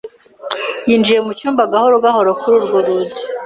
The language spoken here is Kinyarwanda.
Yinjiye mu cyumba gahoro gahoro kuri urwo rugi.